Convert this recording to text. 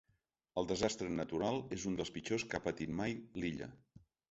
El desastre natural és un dels pitjors que ha patit mai l’illa.